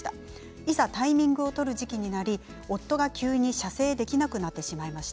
いざタイミングを取る時期になり夫が急に射精できなくなってしまいました。